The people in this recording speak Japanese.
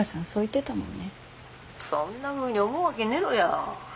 そんなふうに思うわげねぇろや。